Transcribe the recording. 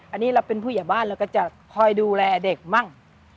อันนี้เราเป็นผู้ใหญ่บ้านเราก็จะคอยดูแลเด็กมั่ง